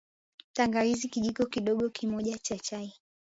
Tangawizi kijiko kidogo kimojaa cha chai